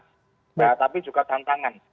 nah tapi juga tantangan